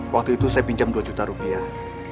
waktu itu saya pinjam dua juta rupiah